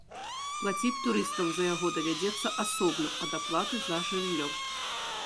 Плаціць турыстам за яго давядзецца асобна ад аплаты за жыллё.